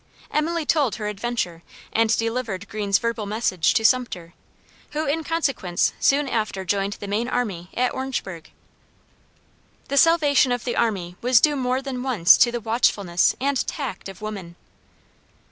Emily told her adventure, and delivered Greene's verbal message to Sumter, who in consequence, soon after joined the main army at Orangeburgh. The salvation of the army was due more than once to the watchfulness and tact of woman.